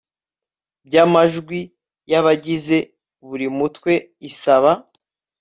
by amajwi y abagize buri mutwe isaba